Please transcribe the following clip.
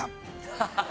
ハハハハ！